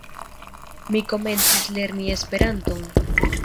Mi komencis lerni Esperanton.